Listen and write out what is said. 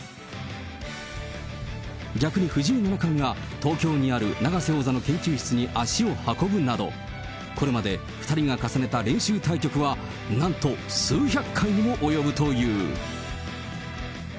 逆に藤井七冠が、東京にある永瀬王座の研究室に足を運ぶなど、これまで２人が重ねた練習対局はなんと数百回にも及ぶという。